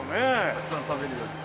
たくさん食べるようには。